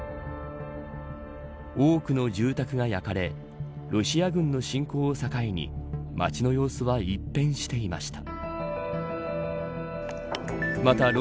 多くの住宅が焼かれロシア軍の侵攻を境に街の様子は一変していました。